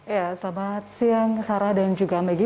ya selamat siang sarah dan juga maggie